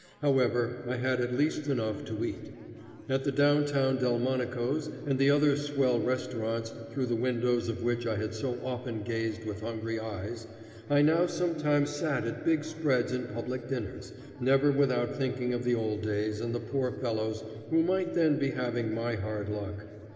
However, I had at least enough to eat. At the downtown Delmonico's and the other swell restaurants through the windows of which I had so often gazed with hungry eyes, I now sometimes sat at big spreads and public dinners, never without thinking of the old days and the poor fellows who might then be having my hard luck.